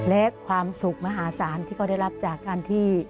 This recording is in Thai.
และความสุขมหาศาลที่เขาได้รับจากการที่